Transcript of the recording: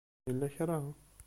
Yella kra?